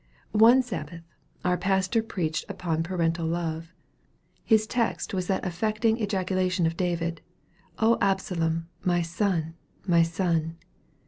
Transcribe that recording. One Sabbath our pastor preached upon parental love. His text was that affecting ejaculation of David, "O Absalom, my son, my son!"